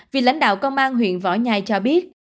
vì lãnh đạo công an huyện võ nhai cho biết